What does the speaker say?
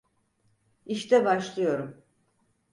İşte başlıyorum.